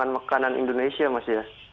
makanan indonesia mas ya